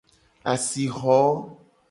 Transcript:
Asixo.